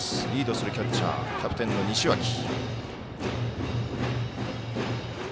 リードするキャッチャーはキャプテンの西脇。